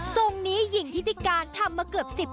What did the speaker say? ทรงนี้หญิงทิติการทำมาเกือบ๑๐ปี